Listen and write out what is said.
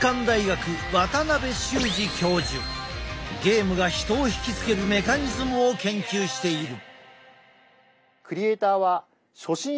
ゲームが人を引き付けるメカニズムを研究している。